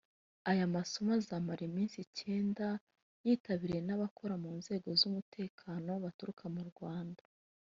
Aya masomo azamara iminsi icyenda yitabiriye n’abakora mu nzego z’umutekano baturuka mu mu Rwanda